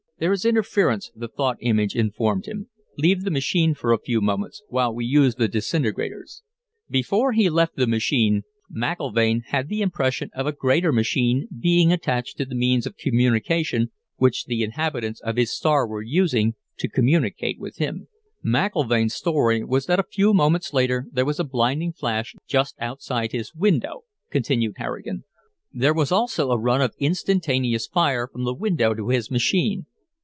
"There is interference," the thought image informed him. "Leave the machine for a few moments, while we use the disintegrators." Before he left the machine, McIlvaine had the impression of a greater machine being attached to the means of communication which the inhabitants of his star were using to communicate with him. "McIlvaine's story was that a few moments later there was a blinding flash just outside his window," continued Harrigan. "There was also a run of instantaneous fire from the window to his machine.